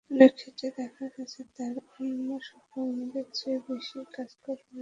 অনেক ক্ষেত্রে দেখা গেছে, তাঁরা অন্য সহকর্মীদের চেয়ে বেশি কাজ করেন।